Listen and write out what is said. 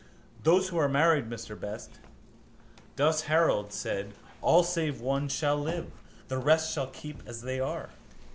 —Those who are married, Mr Best, douce herald, said, all save one, shall live. The rest shall keep as they are.